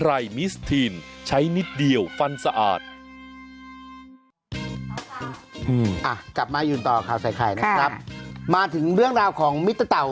กลับมายืนต่อข่าวใส่ไข่นะครับมาถึงเรื่องราวของมิตรเต่า